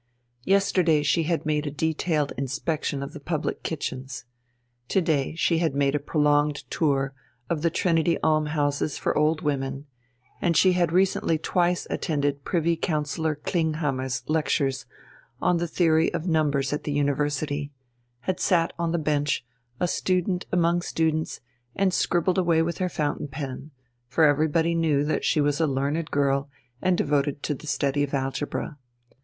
Yesterday she had made a detailed inspection of the public kitchens. To day she had made a prolonged tour of the Trinity Almhouses for old women, and she had recently twice attended Privy Councillor Klinghammer's lectures on the theory of numbers at the university had sat on the bench, a student among students, and scribbled away with her fountain pen, for everybody knew that she was a learned girl and devoted to the study of algebra.